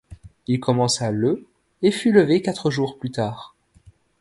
Il commença le et fut levé quatre jours plus tard.